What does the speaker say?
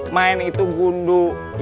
main itu gundu